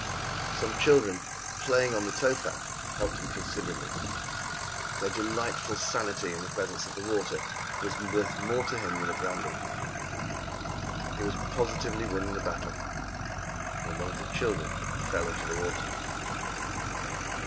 Some children, playing on the tow path, helped him considerably. Their delightful sanity in the presence of the water was worth more to him than the brandy. He was positively winning the battle, when one of the children fell into the water.